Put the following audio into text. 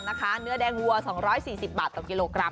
เนื้อแดงวัว๒๔๐บาทต่อกิโลกรัม